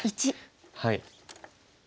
はい。